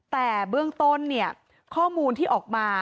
แต่เบื้องต้นเนี่ยข้อมูลที่ออกมา